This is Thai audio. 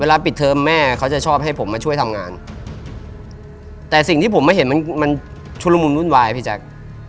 ปิดเทอมแม่เขาจะชอบให้ผมมาช่วยทำงานแต่สิ่งที่ผมไม่เห็นมันมันชุดละมุนวุ่นวายพี่แจ๊ค